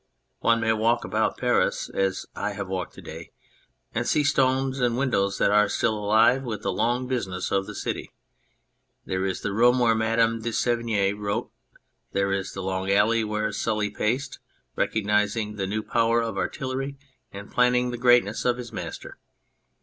One may walk about Paris as I have walked to day and see stones and windows that are still alive with the long business of the city. There is the room where Madame de Sevigne wrote, there is the long gallery where Sully paced, recognising the new power of artillery and planning the greatness of his master.